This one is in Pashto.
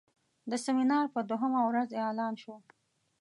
د سیمینار په دوهمه ورځ اعلان شو.